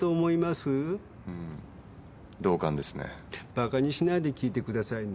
バカにしないで聞いてくださいね。